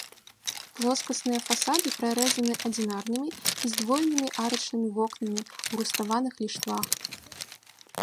Плоскасныя фасады прарэзаны адзінарнымі і здвоенымі арачнымі вокнамі ў руставаных ліштвах.